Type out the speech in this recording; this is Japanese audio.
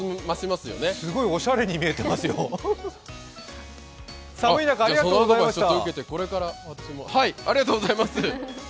すごい、おしゃれに見えてますよ。